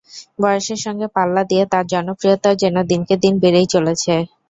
বয়সের সঙ্গে পাল্লা দিয়ে তাঁর জনপ্রিয়তাও যেন দিনকে দিন বেড়েই চলেছে।